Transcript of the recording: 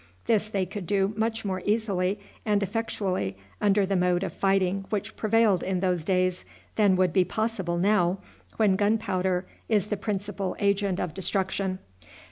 This they could do much more easily and effectually under the mode of fighting which prevailed in those days than would be possible now, when gunpowder is the principal agent of destruction.